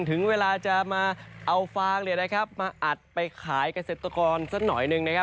ถึงเวลาจะมาเอาฟางมาอัดไปขายเกษตรกรสักหน่อยหนึ่งนะครับ